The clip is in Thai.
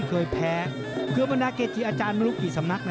เคยแพ้คือบรรดาเกจิอาจารย์ไม่รู้กี่สำนัก